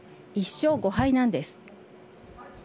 １勝５敗なんです。